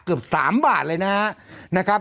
เกือบสามบาทเลยนะฮะนะครับ